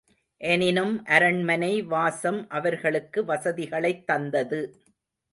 எனினும் அரண்மனை வாசம் அவர்களுக்கு வசதிகளைத் தந்தது.